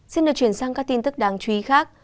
xin được chuyển sang các tin tức đáng chú ý khác